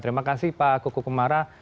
terima kasih pak kuku kumara